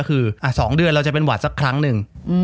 คือ๒เดือนเราจะเป็นหวัดสักครั้งหนึ่ง